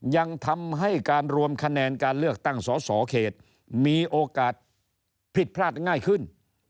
ยังทำให้การรวมคะแนนการเลือกตั้งสอสอเขตมีโอกาสผิดพลาดง่ายขึ้น